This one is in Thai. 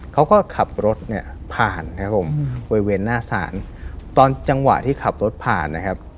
เขาก็ขับรถเนี่ยผ่านครับผมบริเวณหน้าศาลตอนจังหวะที่ขับรถผ่านนะครับ